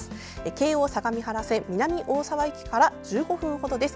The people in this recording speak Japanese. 京王相模原線、南大沢駅から１５分程です。